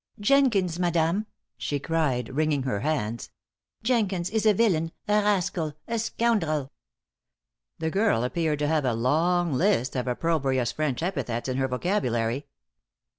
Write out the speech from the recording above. "Jenkins, madame," she cried, wringing her hands, "Jenkins is a villain, a rascal, a scoundrel." The girl appeared to have a long list of opprobrious French epithets in her vocabulary.